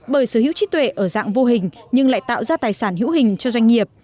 bởi sở hữu trí tuệ ở dạng vô hình nhưng lại tạo ra tài sản hữu hình cho doanh nghiệp